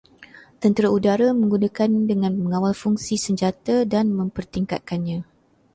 Tentera udara menggunakan dengan mengawal fungsi senjata dan mempertingkatkannya